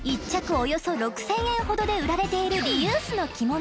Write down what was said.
およそ６，０００円ほどで売られているリユースの着物。